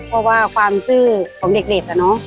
เพราะว่าความซื่อของเด็กอะเนาะ